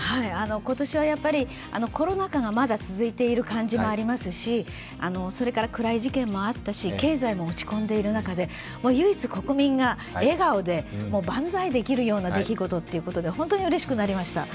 今年はやっぱりコロナ禍がまだ続いている感じもありますしそれから暗い事件もあったし経済も落ち込んでいる中で、唯一、国民が笑顔で、バンザイできるような出来事ということで、本当にうれしくなりました。